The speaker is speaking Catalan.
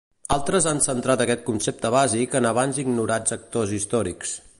Altres han centrat aquest concepte bàsic en abans ignorats actors històrics.